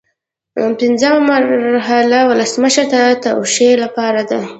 پنځمه مرحله ولسمشر ته د توشیح لپاره ده.